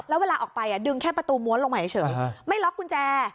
แล้วเวลาออกไปดึงแค่ประตูม้วนลงมาเฉยไม่ล็อกกุญแจ